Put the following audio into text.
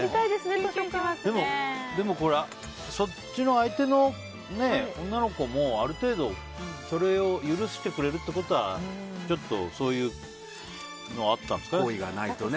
でも、そっちの相手の女の子もある程度それを許してくれるってことはちょっとそういうのあったんですかね。